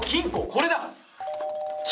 これだ！